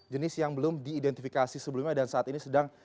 jenis yang belum diidentifikasi sebelumnya dan saat ini sedang